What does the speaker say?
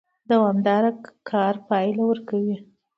دوامدار کار پایله ورکوي